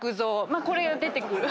これが出てくる。